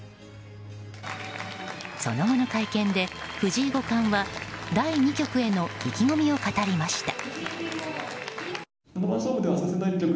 その後の会見で藤井五冠は第２局への意気込みを語りました。